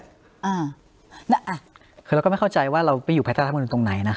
คือเราก็ไม่เข้าใจว่าเราไม่อยู่ภายใต้น้ำนวลตรงไหน